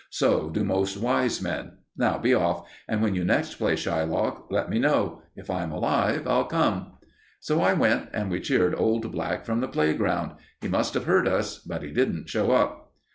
So do most wise men. Now be off; and when you next play Shylock, let me know. If I'm alive, I'll come." So I went, and we cheered old Black from the playground. He must have heard us, but he didn't show up.